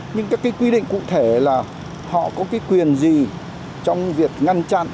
nhưng các cái quy định cụ thể là họ có cái quyền gì trong việc ngăn chặn